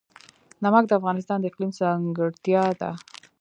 نمک د افغانستان د اقلیم ځانګړتیا ده.